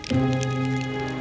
aku akan menjaga putri